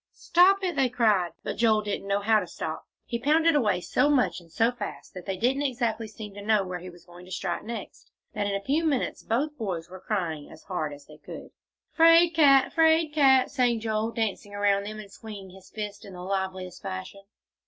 "Stop it!" they cried. But Joel didn't know how to stop; he pounded away so much and so fast, and they didn't exactly seem to know where he was going to strike next, that in a few minutes both boys were crying as hard as they could. "'Fraid cat! 'Fraid cat!" sang Joel, dancing around them, and swinging his fists in the liveliest fashion.